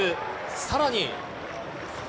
さらに。